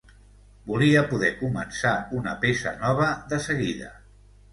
Volia poder començar una peça nova de seguida.